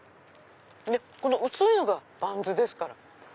で薄いのがバンズですから。